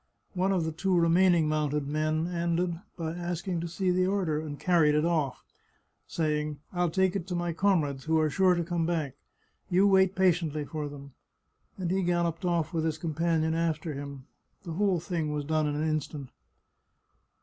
One of the two remaining mounted men ended by asking to see the order, and carried it of¥, saying, " I'll take it to my comrades, who are sure to come back ; you wait patiently for them," and he galloped off with his companion after him. The whole thing was done in an instant.